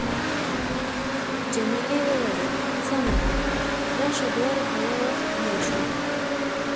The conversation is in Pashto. جميلې وويل:، سمه ده، راشه دواړه به یو وخت بېده شو.